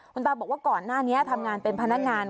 คุณตาบอกว่าก่อนหน้านี้ทำงานเป็นพนักงาน